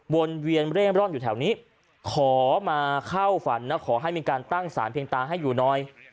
วนเวียนเร่งร่อนอยู่แถวนี้ขอมาเข้าฝันนะขอให้มีการตั้งสารเพียงตาให้อยู่หน่อย